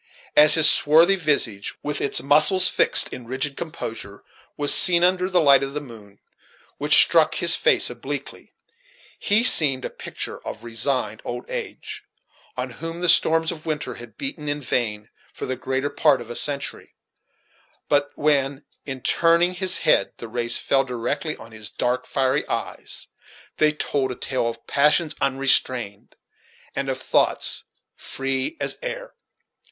As his swarthy visage, with its muscles fixed in rigid composure, was seen under the light of the moon, which struck his face obliquely, he seemed a picture of resigned old age, on whom the storms of winter had beaten in vain for the greater part of a century; but when, in turning his head, the rays fell directly on his dark, fiery eyes, they told a tale of passions unrestrained, and of thoughts free as air.